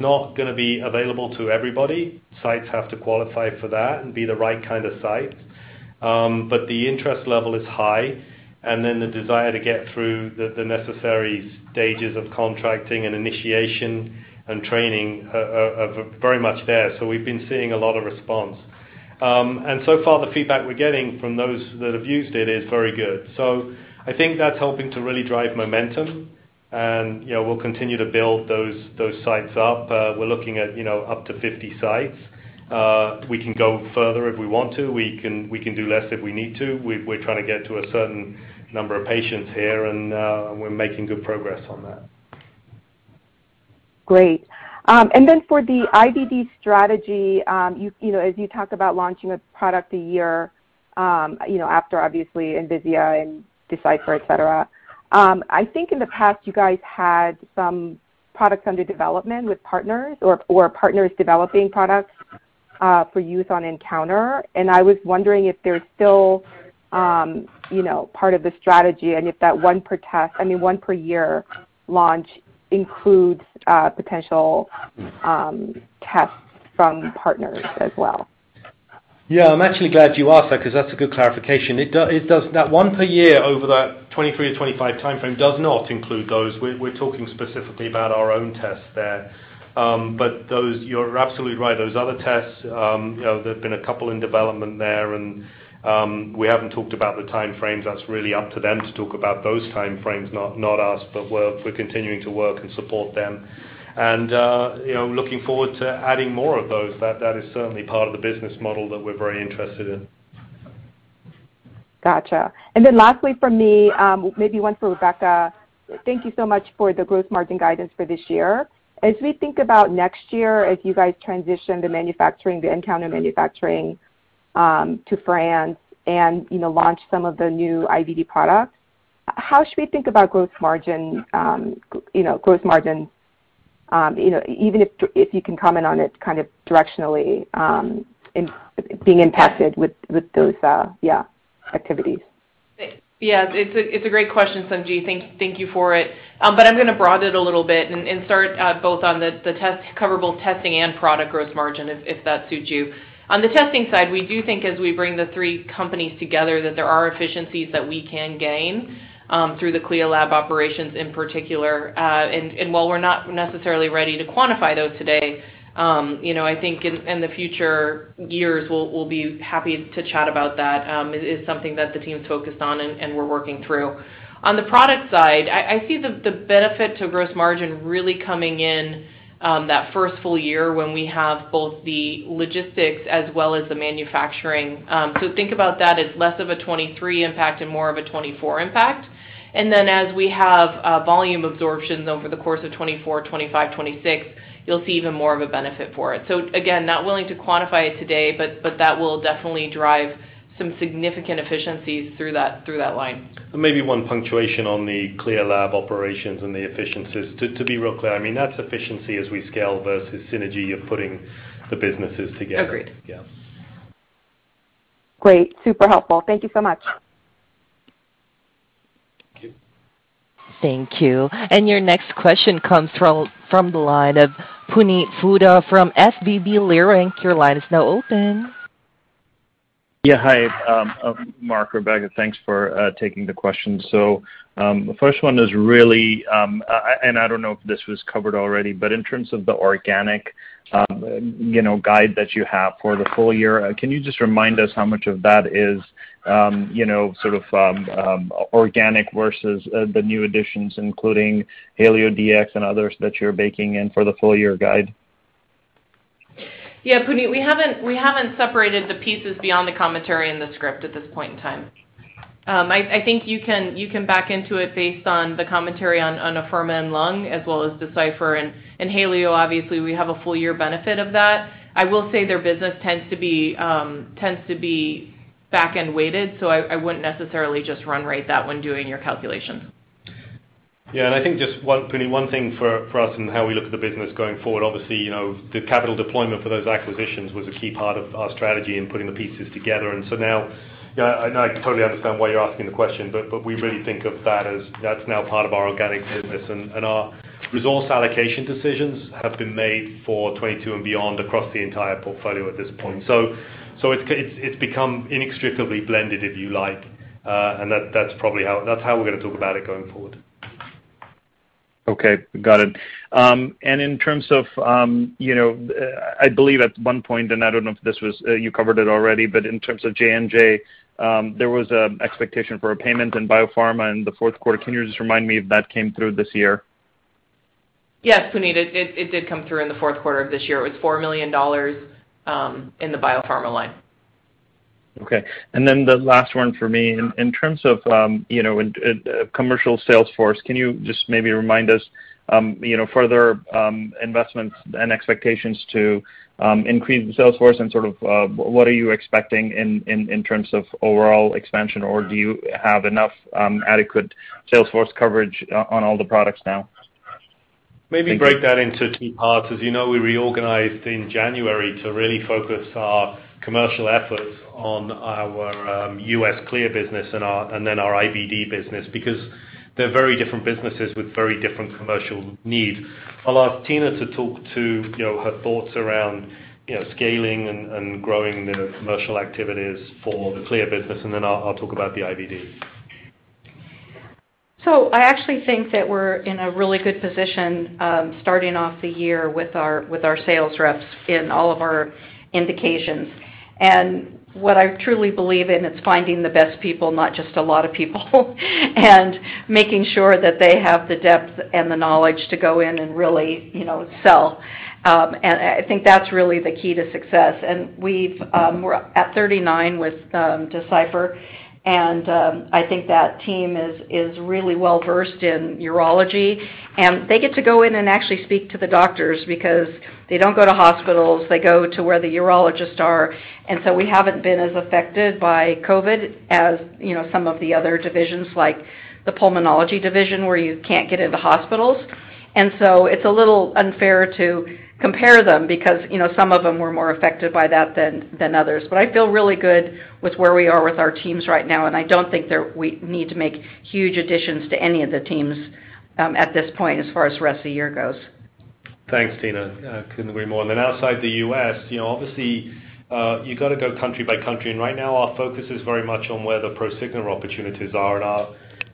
Speaker 3: not gonna be available to everybody. Sites have to qualify for that and be the right kind of site. The interest level is high, and then the desire to get through the necessary stages of contracting and initiation and training are very much there. We've been seeing a lot of response. So far the feedback we're getting from those that have used it is very good. I think that's helping to really drive momentum and, you know, we'll continue to build those sites up. We're looking at, you know, up to 50 sites. We can go further if we want to. We can do less if we need to. We're trying to get to a certain number of patients here and we're making good progress on that.
Speaker 9: Great. For the IVD strategy, you know, as you talk about launching a product a year, you know, after obviously Envisia and Decipher, et cetera, I think in the past you guys had some products under development with partners or partners developing products for use on nCounter, and I was wondering if they're still, you know, part of the strategy and if that one per year launch includes potential tests from partners as well?
Speaker 3: I'm actually glad you asked that because that's a good clarification. That one per year over that 23-25 timeframe does not include those. We're talking specifically about our own tests there. Those, you're absolutely right. Those other tests, you know, there've been a couple in development there and we haven't talked about the timeframes. That's really up to them to talk about those timeframes, not us. We're continuing to work and support them and, you know, looking forward to adding more of those. That is certainly part of the business model that we're very interested in.
Speaker 9: Gotcha. Lastly from me, maybe one for Rebecca. Thank you so much for the growth margin guidance for this year. As we think about next year, as you guys transition the manufacturing, the nCounter manufacturing, to France and launch some of the new IVD products, how should we think about growth margin, even if you can comment on it kind of directionally, in being impacted with those activities?
Speaker 4: Yeah. It's a great question, Sungji. Thank you for it. But I'm gonna broaden it a little bit and cover both testing and product growth margin if that suits you. On the testing side, we do think as we bring the three companies together, that there are efficiencies that we can gain through the CLIA lab operations in particular. And while we're not necessarily ready to quantify those today, you know, I think in the future years we'll be happy to chat about that. It is something that the team's focused on and we're working through. On the product side, I see the benefit to gross margin really coming in that first full year when we have both the logistics as well as the manufacturing. Think about that as less of a 2023 impact and more of a 2024 impact. As we have volume absorption over the course of 2024, 2025, 2026, you'll see even more of a benefit for it. Again, not willing to quantify it today, but that will definitely drive some significant efficiencies through that line.
Speaker 3: Maybe one point on the CLIA lab operations and the efficiencies. To be real clear, I mean, that's efficiency as we scale versus synergy of putting the businesses together.
Speaker 4: Agreed.
Speaker 3: Yeah.
Speaker 9: Great. Super helpful. Thank you so much.
Speaker 3: Thank you.
Speaker 1: Thank you. Your next question comes from the line of Puneet Souda from SVB Leerink. Your line is now open.
Speaker 10: Yeah. Hi, Marc, Rebecca, thanks for taking the questions. The first one is really, and I don't know if this was covered already, but in terms of the organic, you know, guide that you have for the full year, can you just remind us how much of that is, you know, sort of, organic versus the new additions, including HalioDx and others that you're baking in for the full year guide?
Speaker 4: Yeah, Puneet, we haven't separated the pieces beyond the commentary in the script at this point in time. I think you can back into it based on the commentary on Afirma and lung as well as Decipher and Halio. Obviously, we have a full year benefit of that. I will say their business tends to be back-end weighted, so I wouldn't necessarily just run rate that when doing your calculations.
Speaker 3: Yeah. I think just one, Puneet, one thing for us and how we look at the business going forward, obviously, you know, the capital deployment for those acquisitions was a key part of our strategy in putting the pieces together. Yeah, I totally understand why you're asking the question, but we really think of that as that's now part of our organic business. Our resource allocation decisions have been made for 2022 and beyond across the entire portfolio at this point. It's become inextricably blended, if you like. That's probably how we're gonna talk about it going forward.
Speaker 10: Okay, got it. In terms of, you know, I believe at one point, and I don't know if this was, you covered it already, but in terms of J&J, there was an expectation for a payment in biopharma in the fourth quarter. Can you just remind me if that came through this year?
Speaker 4: Yes, Puneet. It did come through in the fourth quarter of this year. It was $4 million in the biopharma line.
Speaker 10: Okay. The last one for me. In terms of, you know, commercial sales force, can you just maybe remind us, you know, further investments and expectations to increase the sales force and sort of what are you expecting in terms of overall expansion, or do you have enough adequate sales force coverage on all the products now?
Speaker 3: Maybe break that into two parts. As you know, we reorganized in January to really focus our commercial efforts on our U.S. CLIA business and then our IVD business because they're very different businesses with very different commercial needs. I'll ask Tina to talk to, you know, her thoughts around, you know, scaling and growing the commercial activities for the CLIA business, and then I'll talk about the IVD.
Speaker 6: I actually think that we're in a really good position starting off the year with our sales reps in all of our indications. What I truly believe in is finding the best people, not just a lot of people, and making sure that they have the depth and the knowledge to go in and really, you know, sell. I think that's really the key to success. We're at 39 with Decipher and I think that team is really well-versed in urology, and they get to go in and actually speak to the doctors because they don't go to hospitals. They go to where the urologists are. We haven't been as affected by COVID as, you know, some of the other divisions, like the pulmonology division, where you can't get into hospitals. It's a little unfair to compare them because, you know, some of them were more affected by that than others. I feel really good with where we are with our teams right now, and I don't think that we need to make huge additions to any of the teams, at this point as far as the rest of the year goes.
Speaker 3: Thanks, Tina. I couldn't agree more. Outside the U.S., you know, obviously, you've got to go country by country, and right now our focus is very much on where the Prosigna opportunities are, and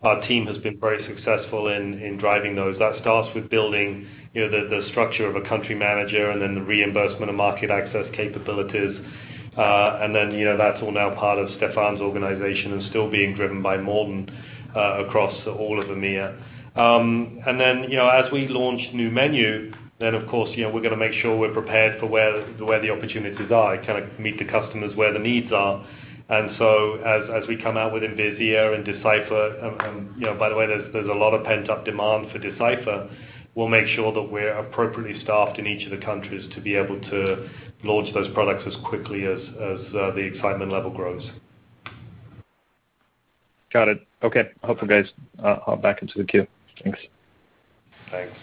Speaker 3: our team has been very successful in driving those. That starts with building, you know, the structure of a country manager and then the reimbursement and market access capabilities. You know, that's all now part of Stéphane's organization and still being driven by Morton across all of EMEA. You know, as we launch new menu, then of course, you know, we're gonna make sure we're prepared for where the opportunities are, kind of meet the customers where the needs are. As we come out with Envisia and Decipher, and you know, by the way, there's a lot of pent-up demand for Decipher. We'll make sure that we're appropriately staffed in each of the countries to be able to launch those products as quickly as the excitement level grows.
Speaker 10: Got it. Okay. Hopeful, guys. I'll back into the queue. Thanks.
Speaker 3: Thanks.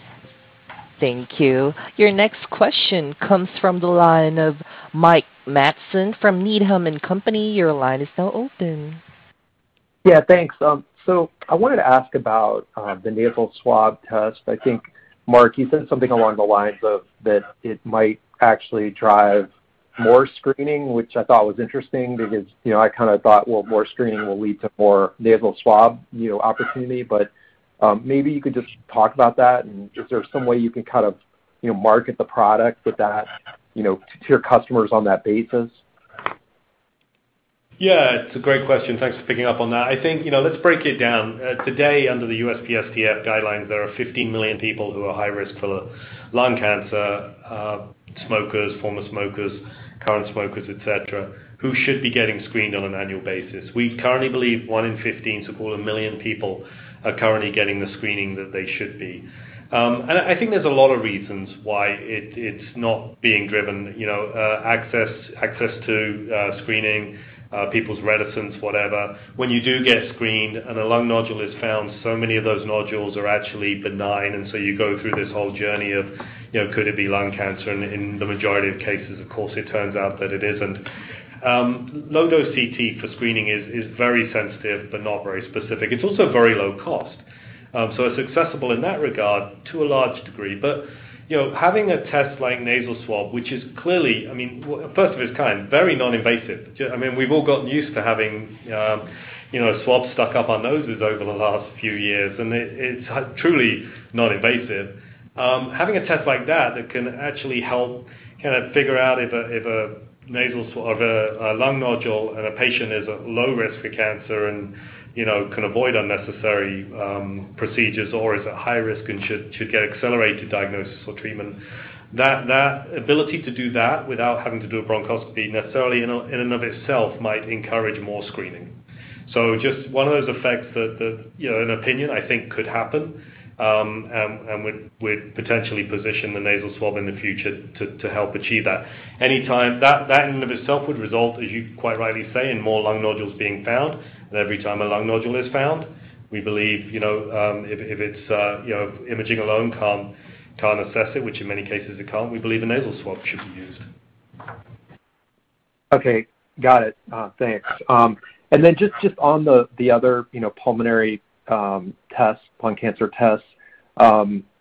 Speaker 1: Thank you. Your next question comes from the line of Mike Matson from Needham & Company. Your line is now open.
Speaker 11: Yeah, thanks. So I wanted to ask about the nasal swab test. I think, Marc, you said something along the lines of that it might actually drive more screening, which I thought was interesting because, you know, I kinda thought, well, more screening will lead to more nasal swab, you know, opportunity. But maybe you could just talk about that and is there some way you can kind of, you know, market the product with that, you know, to your customers on that basis?
Speaker 3: Yeah, it's a great question. Thanks for picking up on that. I think, you know, let's break it down. Today, under the USPSTF guidelines, there are 50 million people who are high risk for lung cancer. Smokers, former smokers, current smokers, et cetera, who should be getting screened on an annual basis. We currently believe one in 15, so call it 1 million people, are currently getting the screening that they should be. I think there's a lot of reasons why it's not being driven. You know, access to screening, people's reticence, whatever. When you do get screened and a lung nodule is found, so many of those nodules are actually benign, and so you go through this whole journey of, you know, could it be lung cancer. In the majority of cases, of course, it turns out that it isn't. Low-dose CT for screening is very sensitive, but not very specific. It's also very low cost. It's accessible in that regard to a large degree. You know, having a test like nasal swab, which is clearly, I mean, world-first of its kind, very non-invasive. I mean, we've all gotten used to having, you know, a swab stuck up our noses over the last few years, and it's truly non-invasive. Having a test like that that can actually help kinda figure out if a nasal swab or the lung nodule in a patient is at low risk for cancer and, you know, can avoid unnecessary procedures or is at high risk and should get accelerated diagnosis or treatment, that ability to do that without having to do a bronchoscopy necessarily in and of itself might encourage more screening. Just one of those effects that, you know, in my opinion, I think could happen and would potentially position the nasal swab in the future to help achieve that. Anytime that in and of itself would result, as you quite rightly say, in more lung nodules being found. Every time a lung nodule is found, we believe, you know, if it's, you know, imaging alone can't assess it, which in many cases it can't, we believe a nasal swab should be used.
Speaker 11: Okay. Got it. Thanks. And then just on the other, you know, pulmonary tests, lung cancer tests,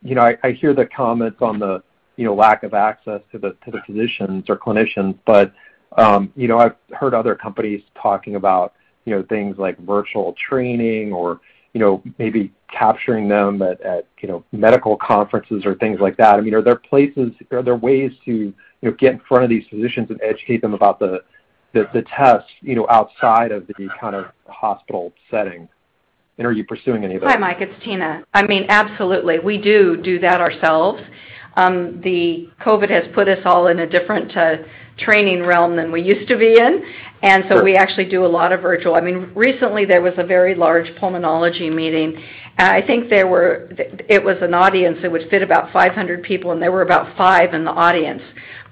Speaker 11: you know, I hear the comments on the, you know, lack of access to the physicians or clinicians, but you know, I've heard other companies talking about, you know, things like virtual training or, you know, maybe capturing them at medical conferences or things like that. I mean, are there places? Are there ways to, you know, get in front of these physicians and educate them about the tests, you know, outside of the kind of hospital setting? And are you pursuing any of those?
Speaker 6: Hi, Mike. It's Tina. I mean, absolutely. We do that ourselves. The COVID has put us all in a different training realm than we used to be in.
Speaker 11: Sure.
Speaker 6: We actually do a lot of virtual. I mean, recently there was a very large pulmonology meeting. I think it was an audience that would fit about 500 people, and there were about five in the audience,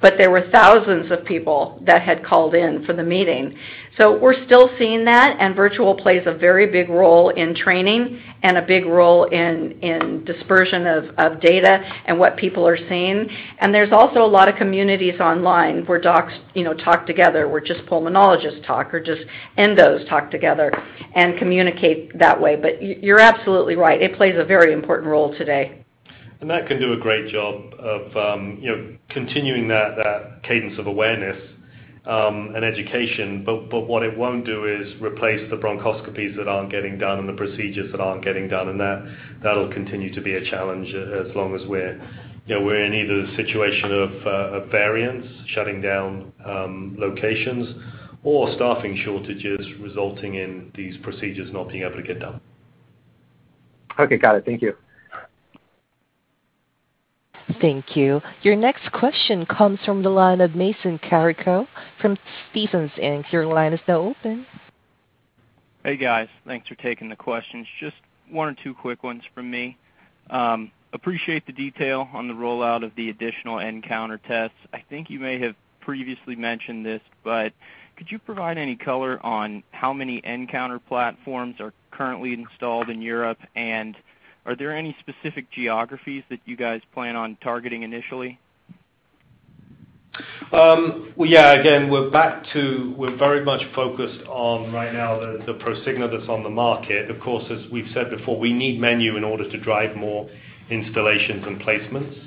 Speaker 6: but there were thousands of people that had called in for the meeting. We're still seeing that, and virtual plays a very big role in training and a big role in dispersion of data and what people are seeing. There's also a lot of communities online where docs, you know, talk together, where just pulmonologists talk or just endos talk together and communicate that way. You're absolutely right. It plays a very important role today.
Speaker 3: That can do a great job of, you know, continuing that cadence of awareness and education, but what it won't do is replace the bronchoscopies that aren't getting done and the procedures that aren't getting done. That'll continue to be a challenge as long as we're, you know, in either the situation of a variant shutting down locations or staffing shortages resulting in these procedures not being able to get done.
Speaker 11: Okay. Got it. Thank you.
Speaker 1: Thank you. Your next question comes from the line of Mason Carrico from Stephens Inc Your line is now open.
Speaker 12: Hey, guys. Thanks for taking the questions. Just one or two quick ones from me. Appreciate the detail on the rollout of the additional nCounter tests. I think you may have previously mentioned this, but could you provide any color on how many nCounter platforms are currently installed in Europe? And are there any specific geographies that you guys plan on targeting initially?
Speaker 3: Well, yeah, again, we're very much focused right now on the Prosigna that's on the market. Of course, as we've said before, we need menu in order to drive more installations and placements.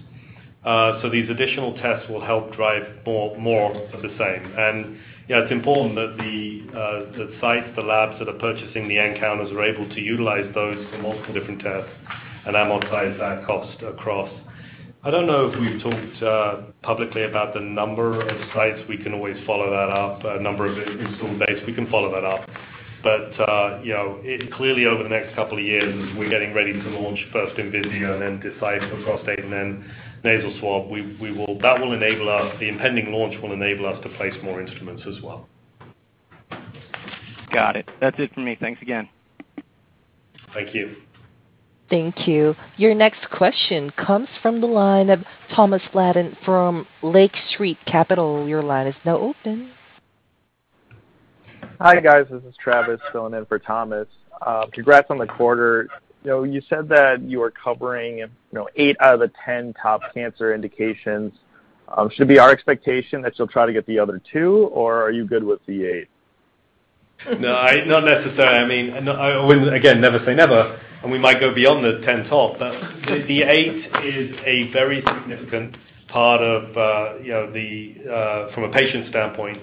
Speaker 3: So these additional tests will help drive more of the same. You know, it's important that the sites, the labs that are purchasing the nCounter are able to utilize those for multiple different tests and amortize that cost across. I don't know if we've talked publicly about the number of sites. We can always follow that up. A number of installed base, we can follow that up. Clearly over the next couple of years, we're getting ready to launch first Envisia and then Decipher Prostate and then nasal swab. The impending launch will enable us to place more instruments as well.
Speaker 12: Got it. That's it for me. Thanks again.
Speaker 3: Thank you.
Speaker 1: Thank you. Your next question comes from the line of Thomas Flaten from Lake Street Capital. Your line is now open.
Speaker 13: Hi, guys. This is Travis filling in for Thomas. Congrats on the quarter. You know, you said that you are covering, you know, eight out of the 10 top cancer indications. Should it be our expectation that you'll try to get the other two, or are you good with the eight?
Speaker 3: No, not necessarily. I mean, I wouldn't, again, never say never, and we might go beyond the top 10. But the eight is a very significant part of, you know, from a patient standpoint,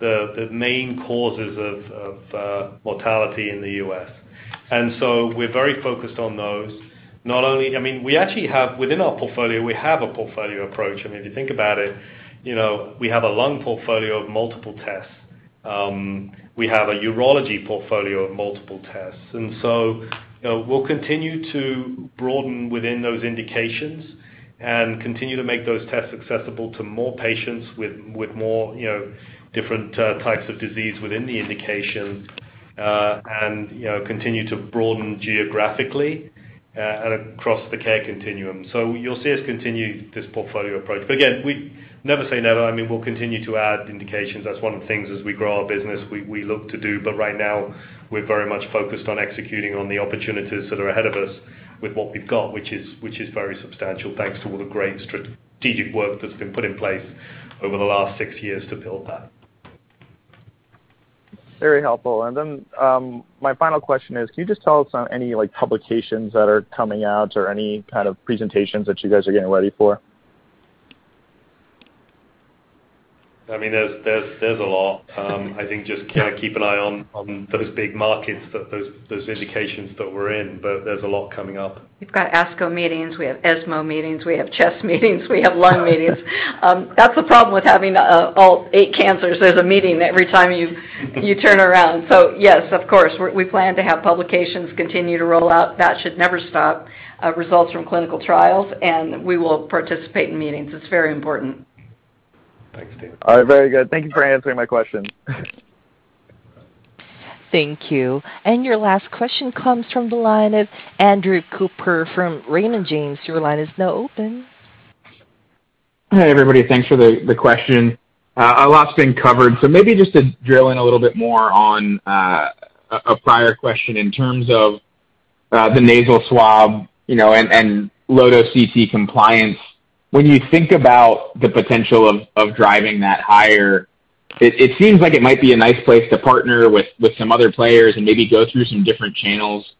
Speaker 3: the main causes of mortality in the U.S. We're very focused on those. Not only, I mean, we actually have, within our portfolio, we have a portfolio approach. I mean, if you think about it, you know, we have a lung portfolio of multiple tests. We have a urology portfolio of multiple tests. You know, we'll continue to broaden within those indications and continue to make those tests accessible to more patients with more, you know, different types of disease within the indication, and, you know, continue to broaden geographically and across the care continuum. You'll see us continue this portfolio approach. Again, we never say never. I mean, we'll continue to add indications. That's one of the things as we grow our business we look to do. Right now, we're very much focused on executing on the opportunities that are ahead of us with what we've got, which is very substantial, thanks to all the great strategic work that's been put in place over the last six years to build that.
Speaker 13: Very helpful. My final question is, can you just tell us on any, like, publications that are coming out or any kind of presentations that you guys are getting ready for?
Speaker 3: I mean, there's a lot. I think just kinda keep an eye on those big markets that those indications that we're in, but there's a lot coming up.
Speaker 6: We've got ASCO meetings, we have ESMO meetings, we have CHEST meetings, we have lung meetings. That's the problem with having all eight cancers. There's a meeting every time you turn around. Yes, of course, we plan to have publications continue to roll out. That should never stop. Results from clinical trials, and we will participate in meetings. It's very important.
Speaker 3: Thanks, Travis.
Speaker 13: All right. Very good. Thank you for answering my question.
Speaker 1: Thank you. Your last question comes from the line of Andrew Cooper from Raymond James. Your line is now open.
Speaker 14: Hi, everybody. Thanks for the question. A lot's been covered, so maybe just to drill in a little bit more on a prior question in terms of the nasal swab, you know, and low-dose CT compliance. When you think about the potential of driving that higher, it seems like it might be a nice place to partner with some other players and maybe go through some different channels,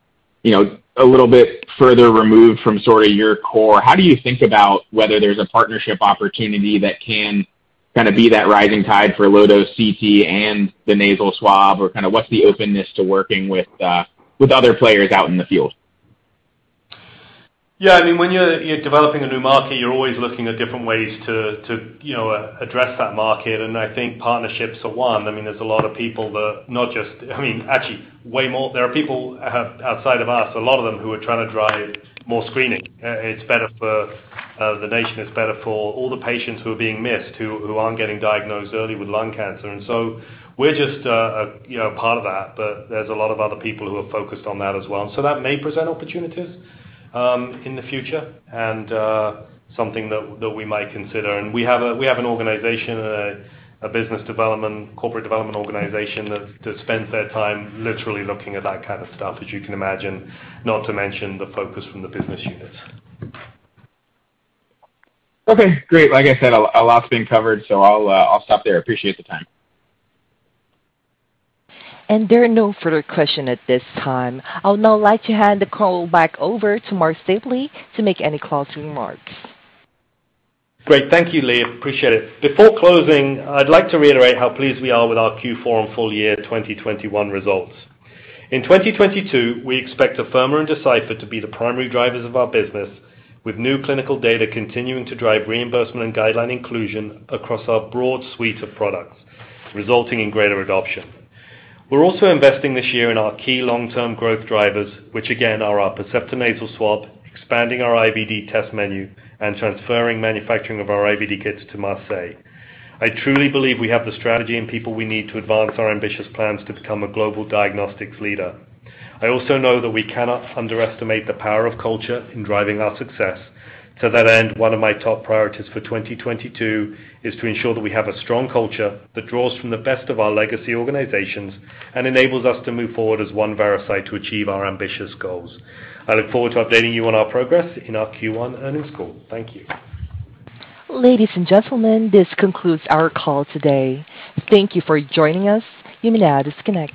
Speaker 14: you know, a little bit further removed from sort of your core. How do you think about whether there's a partnership opportunity that can kinda be that rising tide for low-dose CT and the nasal swab, or kinda what's the openness to working with other players out in the field?
Speaker 3: Yeah. I mean, when you're developing a new market, you're always looking at different ways to you know address that market, and I think partnerships are one. I mean, actually way more. There are people outside of us, a lot of them who are trying to drive more screening. It's better for the nation. It's better for all the patients who are being missed, who aren't getting diagnosed early with lung cancer. We're just you know part of that, but there's a lot of other people who are focused on that as well. That may present opportunities in the future and something that we might consider. We have an organization, a business development, corporate development organization that spends their time literally looking at that kind of stuff, as you can imagine, not to mention the focus from the business units.
Speaker 14: Okay, great. Like I said, a lot's been covered, so I'll stop there. Appreciate the time.
Speaker 1: There are no further questions at this time. I'll now like to hand the call back over to Marc Stapley to make any closing remarks.
Speaker 3: Great. Thank you, Leah. Appreciate it. Before closing, I'd like to reiterate how pleased we are with our Q4 and full year 2021 results. In 2022, we expect Afirma and Decipher to be the primary drivers of our business with new clinical data continuing to drive reimbursement and guideline inclusion across our broad suite of products, resulting in greater adoption. We're also investing this year in our key long-term growth drivers, which again are our Percepta nasal swab, expanding our IVD test menu, and transferring manufacturing of our IVD kits to Marseille. I truly believe we have the strategy and people we need to advance our ambitious plans to become a global diagnostics leader. I also know that we cannot underestimate the power of culture in driving our success. To that end, one of my top priorities for 2022 is to ensure that we have a strong culture that draws from the best of our legacy organizations and enables us to move forward as one Veracyte to achieve our ambitious goals. I look forward to updating you on our progress in our Q1 earnings call. Thank you.
Speaker 1: Ladies and gentlemen, this concludes our call today. Thank you for joining us. You may now disconnect.